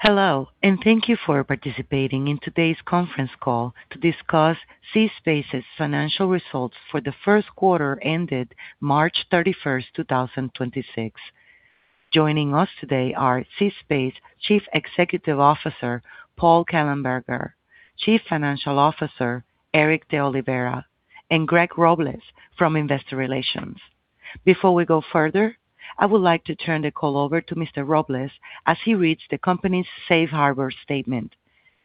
Hello. Thank you for participating in today's conference call to discuss zSpace's financial results for the first quarter ended March 31st, 2026. Joining us today are zSpace Chief Executive Officer, Paul Kellenberger, Chief Financial Officer, Erick DeOliveira, and Greg Robles from Investor Relations. Before we go further, I would like to turn the call over to Mr. Robles as he reads the company's safe harbor statement.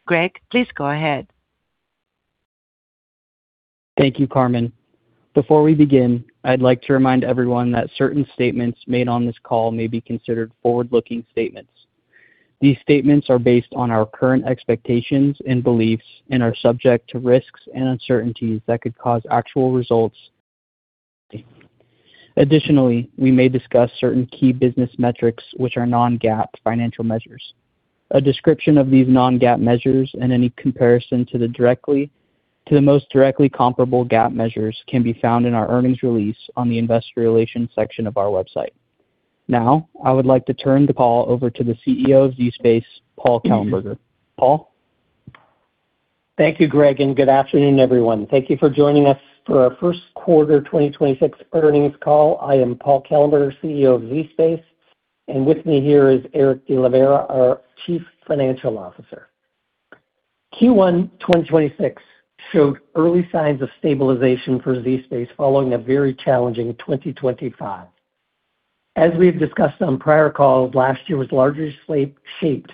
Greg, please go ahead. Thank you, Carmen. Before we begin, I'd like to remind everyone that certain statements made on this call may be considered forward-looking statements. These statements are based on our current expectations and beliefs and are subject to risks and uncertainties that could cause actual results to vary. Additionally, we may discuss certain key business metrics which are non-GAAP financial measures. A description of these non-GAAP measures and any comparison to the most directly comparable GAAP measures can be found in our earnings release on the investor relations section of our website. Now, I would like to turn the call over to the CEO of zSpace, Paul Kellenberger. Paul. Thank you, Greg, and good afternoon, everyone. Thank you for joining us for our first quarter 2026 earnings call. I am Paul Kellenberger, CEO of zSpace, and with me here is Erick DeOliveira, our Chief Financial Officer. Q1 2026 showed early signs of stabilization for zSpace following a very challenging 2025. As we've discussed on prior calls, last year was largely shaped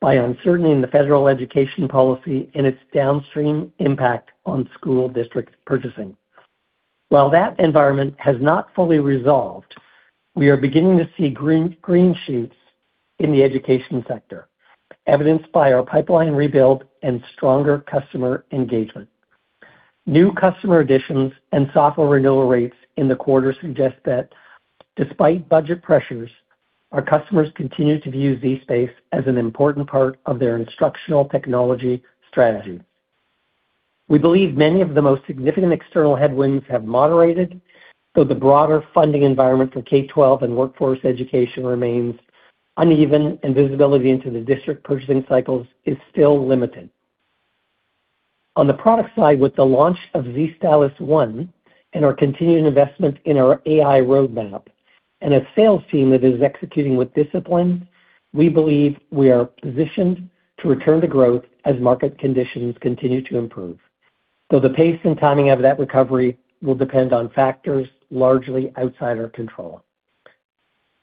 by uncertainty in the federal education policy and its downstream impact on school district purchasing. While that environment has not fully resolved, we are beginning to see green shoots in the education sector, evidenced by our pipeline rebuild and stronger customer engagement. New customer additions and software renewal rates in the quarter suggest that despite budget pressures, our customers continue to view zSpace as an important part of their instructional technology strategy. We believe many of the most significant external headwinds have moderated, though the broader funding environment for K-12 and workforce education remains uneven, and visibility into the district purchasing cycles is still limited. On the product side, with the launch of zStylus One and our continuing investment in our AI roadmap and a sales team that is executing with discipline, we believe we are positioned to return to growth as market conditions continue to improve, though the pace and timing of that recovery will depend on factors largely outside our control.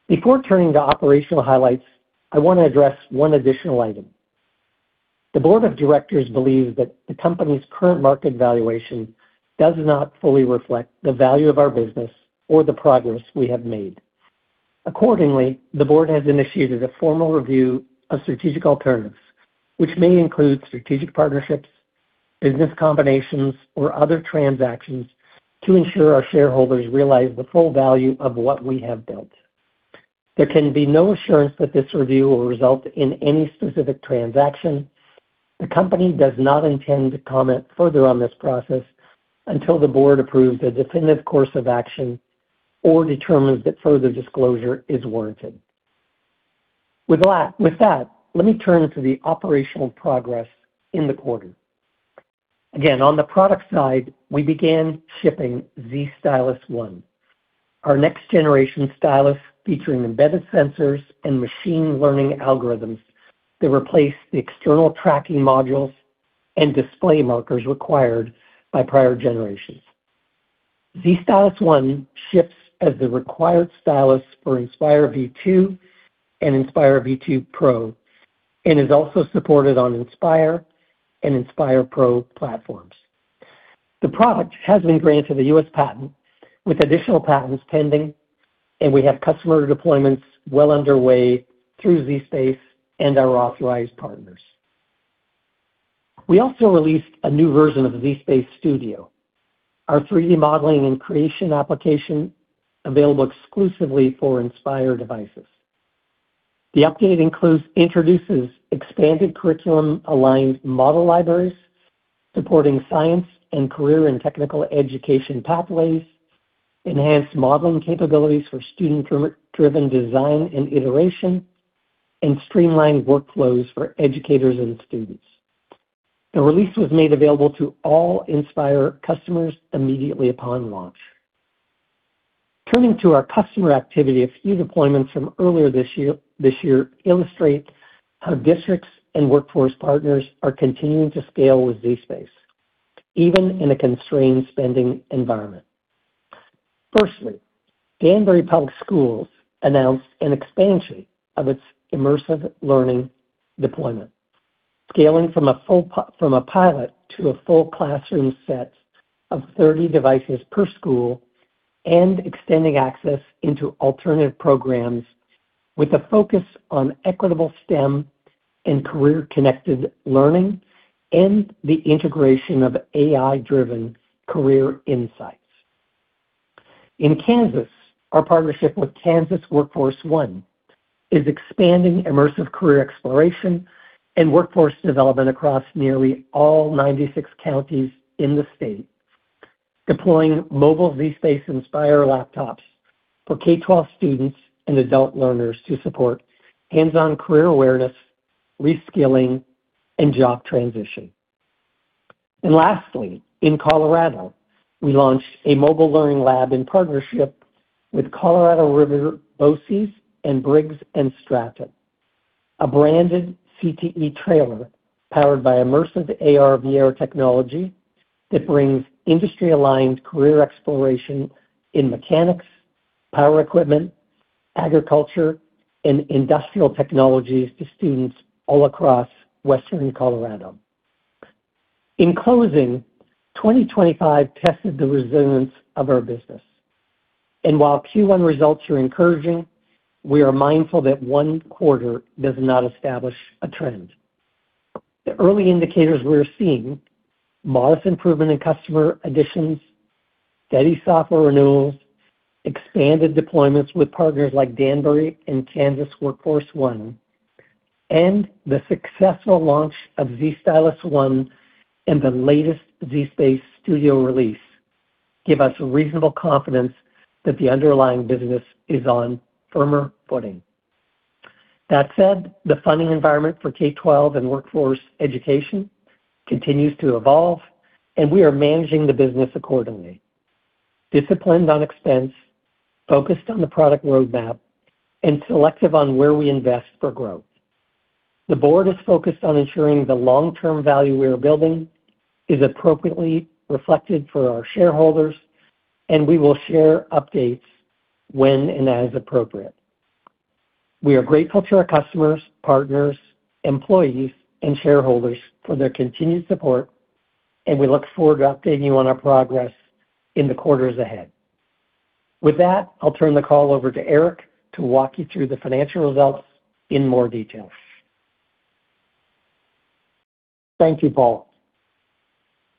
Before turning to operational highlights, I wanna address one additional item. The board of directors believes that the company's current market valuation does not fully reflect the value of our business or the progress we have made. Accordingly, the board has initiated a formal review of strategic alternatives, which may include strategic partnerships, business combinations, or other transactions to ensure our shareholders realize the full value of what we have built. There can be no assurance that this review will result in any specific transaction. The company does not intend to comment further on this process until the board approves a definitive course of action or determines that further disclosure is warranted. With that, let me turn to the operational progress in the quarter. Again, on the product side, we began shipping zStylus One, our next-generation stylus featuring embedded sensors and machine learning algorithms that replace the external tracking modules and display markers required by prior generations. zStylus One ships as the required stylus for Inspire V2 and Inspire V2 Pro and is also supported on Inspire and Inspire Pro platforms. The product has been granted a U.S. patent with additional patents pending. We have customer deployments well underway through zSpace and our authorized partners. We also released a new version of zSpace Studio, our 3D modeling and creation application available exclusively for Inspire devices. The update introduces expanded curriculum-aligned model libraries supporting science and career and technical education pathways, enhanced modeling capabilities for student-driven design and iteration, and streamlined workflows for educators and students. The release was made available to all Inspire customers immediately upon launch. Turning to our customer activity, a few deployments from earlier this year illustrate how districts and workforce partners are continuing to scale with zSpace, even in a constrained spending environment. Firstly, Danbury Public Schools announced an expansion of its immersive learning deployment, scaling from a pilot to a full classroom set of 30 devices per school and extending access into alternative programs with a focus on equitable STEM and career-connected learning and the integration of AI-driven career insights. In Kansas, our partnership with Kansas WorkforceONE is expanding immersive career exploration and workforce development across nearly all 96 counties in the state. Deploying mobile zSpace Inspire laptops for K-12 students and adult learners to support hands-on career awareness, reskilling, and job transition. Lastly, in Colorado, we launched a mobile learning lab in partnership with Colorado River BOCES and Briggs & Stratton, a branded CTE trailer powered by immersive AR/VR technology that brings industry-aligned career exploration in mechanics, power equipment, agriculture, and industrial technologies to students all across Western Colorado. In closing, 2025 tested the resilience of our business. While Q1 results are encouraging, we are mindful that one quarter does not establish a trend. The early indicators we are seeing, modest improvement in customer additions, steady software renewals, expanded deployments with partners like Danbury and Kansas WorkforceONE, and the successful launch of zStylus One and the latest zSpace Studio release give us reasonable confidence that the underlying business is on firmer footing. That said, the funding environment for K-12 and workforce education continues to evolve, and we are managing the business accordingly. Disciplined on expense, focused on the product roadmap, and selective on where we invest for growth. The board is focused on ensuring the long-term value we are building is appropriately reflected for our shareholders, and we will share updates when and as appropriate. We are grateful to our customers, partners, employees, and shareholders for their continued support, and we look forward to updating you on our progress in the quarters ahead. With that, I'll turn the call over to Erick to walk you through the financial results in more detail. Thank you, Paul.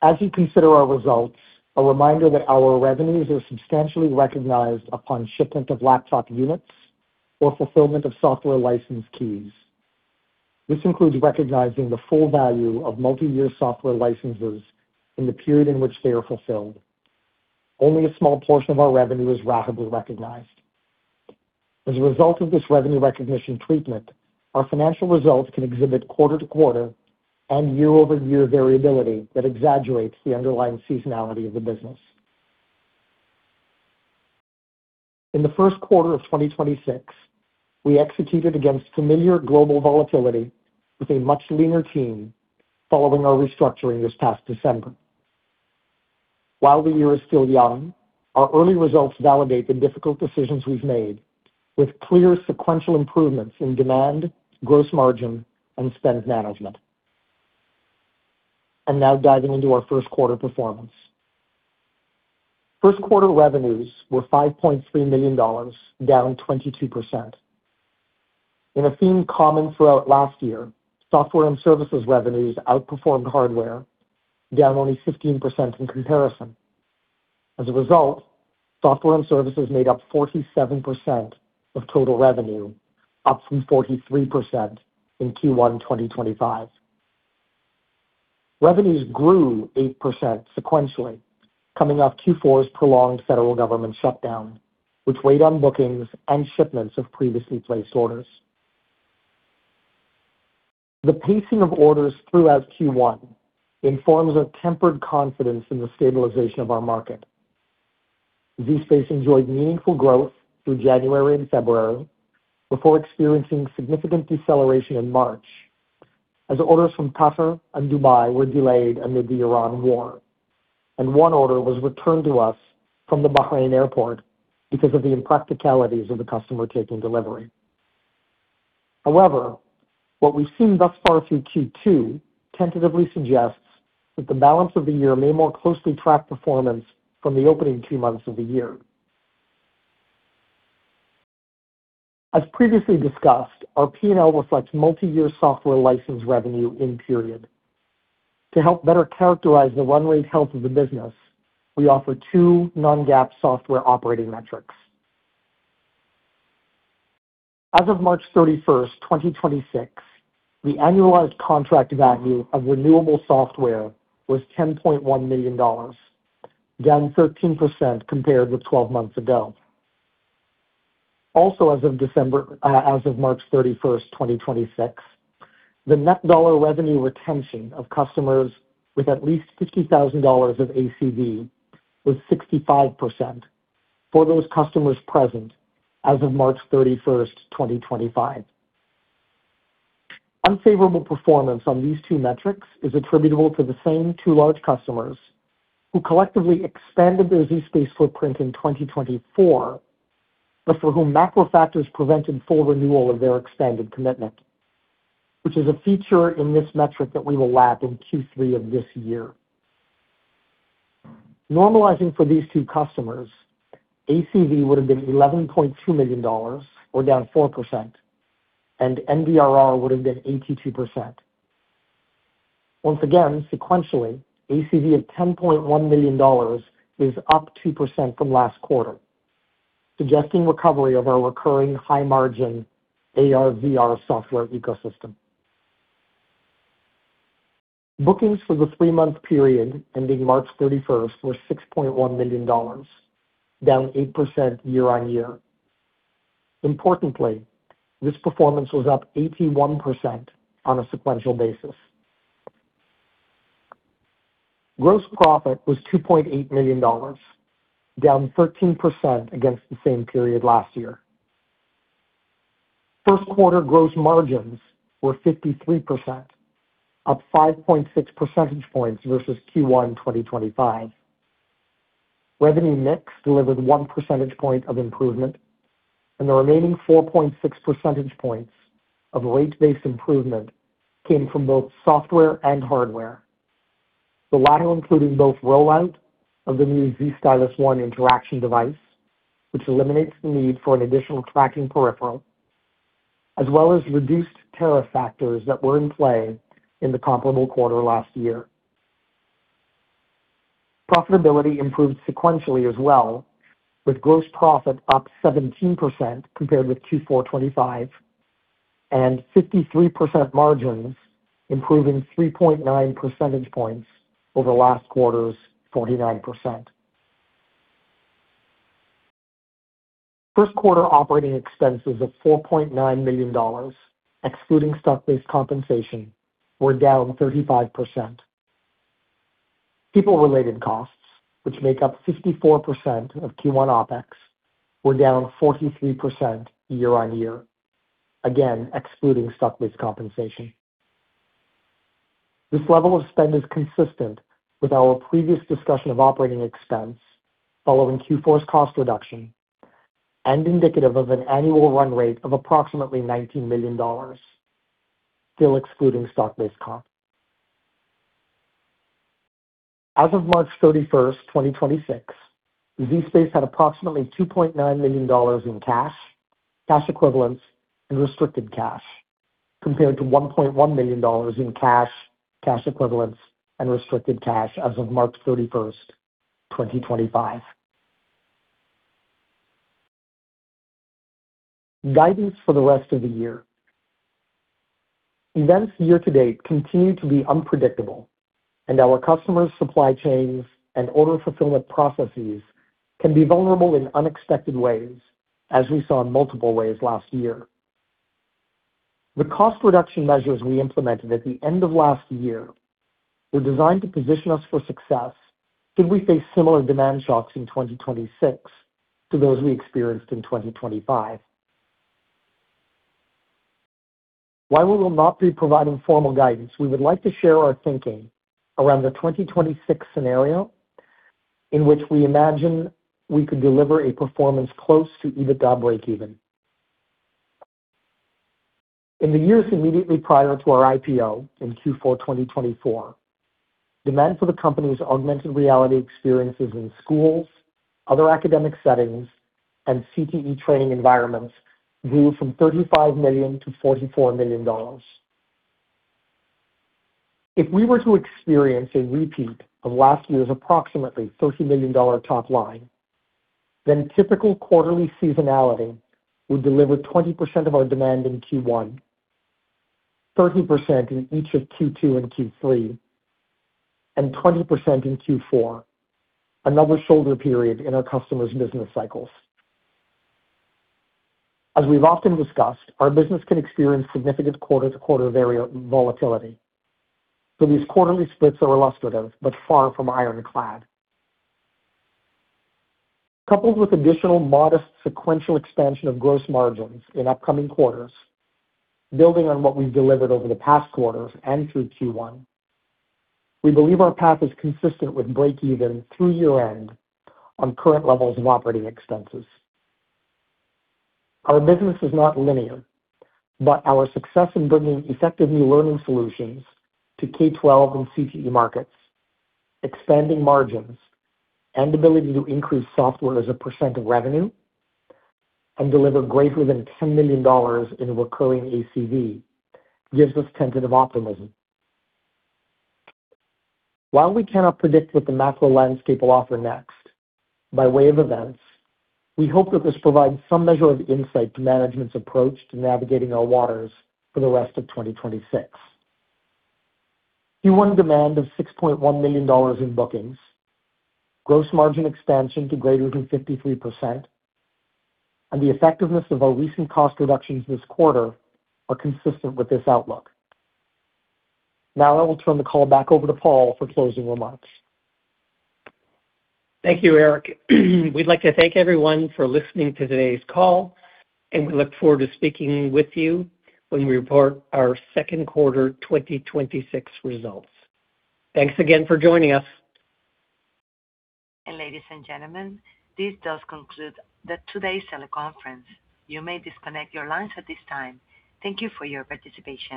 As you consider our results, a reminder that our revenues are substantially recognized upon shipment of laptop units or fulfillment of software license keys. This includes recognizing the full value of multi-year software licenses in the period in which they are fulfilled. Only a small portion of our revenue is rapidly recognized. As a result of this revenue recognition treatment, our financial results can exhibit quarter-to-quarter and year-over-year variability that exaggerates the underlying seasonality of the business. In the first quarter of 2026, we executed against familiar global volatility with a much leaner team following our restructuring this past December. While the year is still young, our early results validate the difficult decisions we've made with clear sequential improvements in demand, gross margin, and spend management. Now diving into our first quarter performance. First quarter revenues were $5.3 million, down 22%. In a theme common throughout last year, software and services revenues outperformed hardware, down only 15% in comparison. As a result, software and services made up 47% of total revenue, up from 43% in Q1 2025. Revenues grew 8% sequentially, coming off Q4's prolonged federal government shutdown, which weighed on bookings and shipments of previously placed orders. The pacing of orders throughout Q1 informs a tempered confidence in the stabilization of our market. zSpace enjoyed meaningful growth through January and February before experiencing significant deceleration in March, as orders from Qatar and Dubai were delayed amid the Iran war, and one order was returned to us from the Bahrain airport because of the impracticalities of the customer taking delivery. However, what we've seen thus far through Q2 tentatively suggests that the balance of the year may more closely track performance from the opening two months of the year. As previously discussed, our P&L reflects multi-year software license revenue in period. To help better characterize the run rate health of the business, we offer two non-GAAP software operating metrics. As of March 31st, 2026, the annualized contract value of renewable software was $10.1 million, down 13% compared with 12 months ago. Also, as of March 31st, 2026, the net dollar revenue retention of customers with at least $50,000 of ACV was 65% for those customers present as of March 31st, 2025. Unfavorable performance on these two metrics is attributable to the same two large customers who collectively expanded their zSpace footprint in 2024, but for whom macro factors prevented full renewal of their expanded commitment, which is a feature in this metric that we will lap in Q3 of this year. Normalizing for these two customers, ACV would have been $11.2 million, or down 4%, and NDRR would have been 82%. Once again, sequentially, ACV of $10.1 million is up 2% from last quarter, suggesting recovery of our recurring high-margin AR/VR software ecosystem. Bookings for the three-month period ending March 31st were $6.1 million, down 8% year-on-year. Importantly, this performance was up 81% on a sequential basis. Gross profit was $2.8 million, down 13% against the same period last year. First quarter gross margins were 53%, up 5.6 percentage points versus Q1 2025. Revenue mix delivered 1 percentage point of improvement, and the remaining 4.6 percentage points of rate-based improvement came from both software and hardware. The latter including both rollout of the new zStylus One interaction device, which eliminates the need for an additional tracking peripheral, as well as reduced tariff factors that were in play in the comparable quarter last year. Profitability improved sequentially as well, with gross profit up 17% compared with Q4 2025 and 53% margins improving 3.9 percentage points over last quarter's 49%. First quarter operating expenses of $4.9 million, excluding stock-based compensation, were down 35%. People-related costs, which make up 54% of Q1 OpEx, were down 43% year-on-year, again, excluding stock-based compensation. This level of spend is consistent with our previous discussion of operating expense following Q4's cost reduction and indicative of an annual run rate of approximately $19 million, still excluding stock-based comp. As of March 31, 2026, zSpace had approximately $2.9 million in cash equivalents, and restricted cash, compared to $1.1 million in cash equivalents, and restricted cash as of March 31, 2025. Guidance for the rest of the year. Events year to date continue to be unpredictable, and our customers' supply chains and order fulfillment processes can be vulnerable in unexpected ways, as we saw in multiple ways last year. The cost reduction measures we implemented at the end of last year were designed to position us for success should we face similar demand shocks in 2026 to those we experienced in 2025. While we will not be providing formal guidance, we would like to share our thinking around the 2026 scenario in which we imagine we could deliver a performance close to EBITDA breakeven. In the years immediately prior to our IPO in Q4 2024, demand for the company's augmented reality experiences in schools, other academic settings, and CTE training environments grew from $35 million to $44 million. If we were to experience a repeat of last year's approximately $30 million top line, then typical quarterly seasonality would deliver 20% of our demand in Q1, 30% in each of Q2 and Q3, and 20% in Q4, another shoulder period in our customers' business cycles. As we've often discussed, our business can experience significant quarter-to-quarter volatility, so these quarterly splits are illustrative but far from ironclad. Coupled with additional modest sequential expansion of gross margins in upcoming quarters, building on what we've delivered over the past quarters and through Q1, we believe our path is consistent with breakeven through year-end on current levels of operating expenses. Our business is not linear, but our success in bringing effective new learning solutions to K-12 and CTE markets, expanding margins, and ability to increase software as a percent of revenue and deliver greater than $10 million in recurring ACV gives us tentative optimism. While we cannot predict what the macro landscape will offer next by way of events, we hope that this provides some measure of insight to management's approach to navigating our waters for the rest of 2026. Q1 demand of $6.1 million in bookings, gross margin expansion to greater than 53%, and the effectiveness of our recent cost reductions this quarter are consistent with this outlook. I will turn the call back over to Paul for closing remarks. Thank you, Erick. We'd like to thank everyone for listening to today's call, and we look forward to speaking with you when we report our second quarter 2026 results. Thanks again for joining us. Ladies and gentlemen, this does conclude the today's teleconference. You may disconnect your lines at this time. Thank you for your participation.